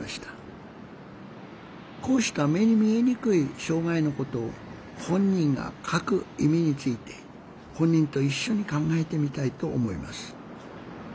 こうした目に見えにくい障害のことを本人が「書く」意味について本人と一緒に考えてみたいと思います